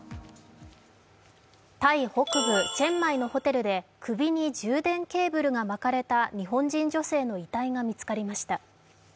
タイ北部・チェンマイのホテルで首に充電ケーブルが巻かれた日本人女性の遺体が見つかりました。